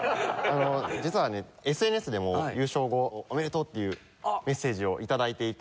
実はＳＮＳでも優勝後「おめでとう」っていうメッセージを頂いていて。